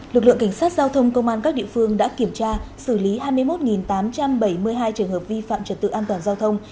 lực lượng cảnh sát giao thông công an các địa phương đã kiểm tra xử lý hai mươi một tám trăm bảy mươi hai trường hợp vi phạm trật tự an toàn giao thông